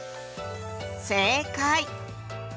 正解！